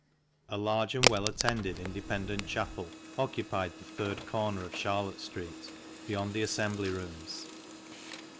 A large and well attended Independent Chapel occupied the third corner of Charlotte Street, beyond the Assembly Rooms.